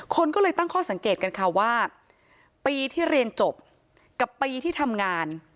คนก็เลยตั้งข้อสังเกตกันค่ะว่าปีที่เรียนจบกับปีที่ทำงาน